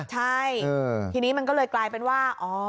ใช่ทีนี้มันก็เลยกลายเป็นว่า